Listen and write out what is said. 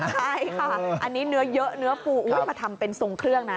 ใช่ค่ะอันนี้เนื้อเยอะเนื้อปูมาทำเป็นทรงเครื่องนะ